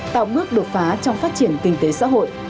tạo bước đột phá trong phát triển kinh tế xã hội